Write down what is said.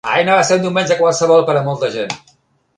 Ahir no va ser un diumenge qualsevol per a molta gent.